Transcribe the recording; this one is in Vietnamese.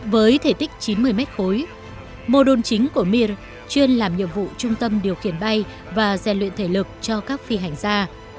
với thể tích chín mươi mét khối mô đun chính của mir chuyên làm nhiệm vụ trung tâm điều khiển bay và rèn luyện thể lực cho các phi hành gia